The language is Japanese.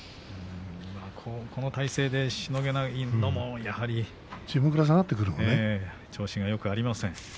この体勢でしのげないのもやはりね、調子がよくありません。